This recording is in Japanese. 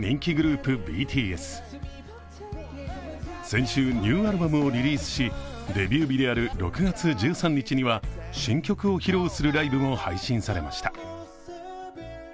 先週、ニューアルバムをリリースし、デビュー日である６月１３日には新曲を披露するライブも配信されました。